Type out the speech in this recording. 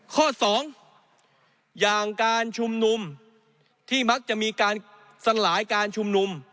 ข้อสองอย่างการชุมนุมที่มักจะมีการสลายการชุมนุม